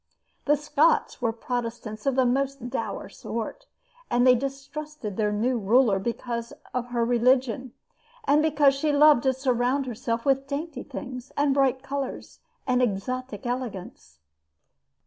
The Scots were Protestants of the most dour sort, and they distrusted their new ruler because of her religion and because she loved to surround herself with dainty things and bright colors and exotic elegance.